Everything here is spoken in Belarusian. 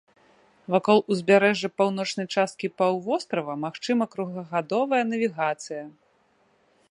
Вакол узбярэжжа паўночнай часткі паўвострава магчыма круглагадовая навігацыя.